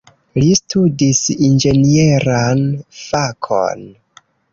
Li studis inĝenieran fakon.